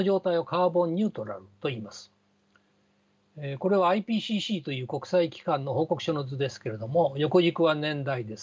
これはＩＰＣＣという国際機関の報告書の図ですけれども横軸は年代です。